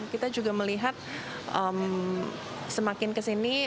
kita juga melihat semakin kesini